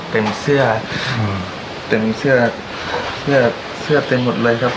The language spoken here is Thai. เต็มเสื้อเต็มเสื้อเสื้อเต็มหมดเลยครับ